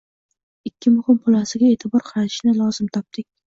ikki muhim xulosaga eʼtibor qaratishni lozim topdik.